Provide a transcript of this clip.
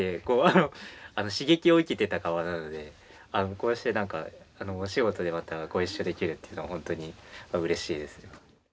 こうしてなんかお仕事でまたご一緒できるっていうのはほんとにうれしいですね。